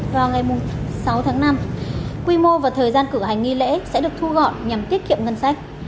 vào ngày sáu tháng năm quy mô và thời gian cử hành nghi lễ sẽ được thu gọn nhằm tiết kiệm ngân sách